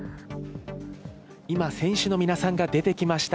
今、選手の皆さんが出てきました。